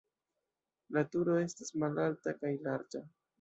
La turo estas malalta kaj larĝa.